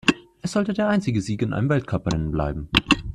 Es sollte der einzige Sieg in einem Weltcuprennen bleiben.